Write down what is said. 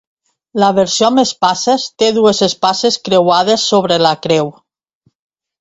La versió amb Espases té dues espases creuades sobre la creu.